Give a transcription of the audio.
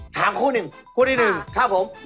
ถามคู่ที่๑ครับผมคู่ที่๑